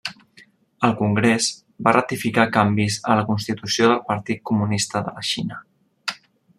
El Congrés va ratificar canvis a la Constitució del Partit Comunista de la Xina.